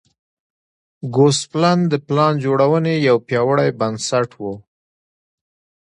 ګوسپلن د پلان جوړونې یو پیاوړی بنسټ و